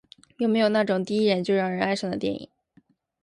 有没有那种第一眼就让人爱上的电影？